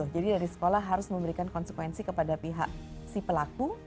jadi dari sekolah harus memberikan konsekuensi kepada pihak si pelaku